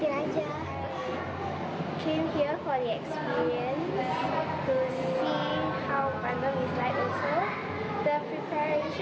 saya datang ke sini untuk pengalaman untuk melihat bagaimana bandung juga